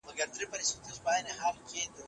هیڅوک باید توهین ونه کړي.